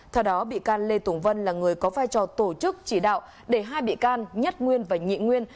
theo đó bị can lê tùng vân là người có vai trò tổ chức chỉ đạo để hai bị can nhất nguyên và nhị nguyên